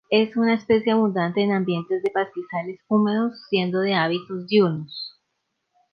Es una especie abundante en ambientes de pastizales húmedos, siendo de hábitos diurnos.